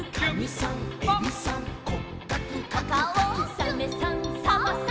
「サメさんサバさん」